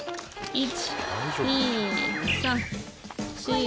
１２３４。